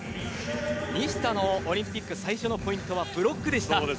西田のオリンピック最初のポイントはブロックでした。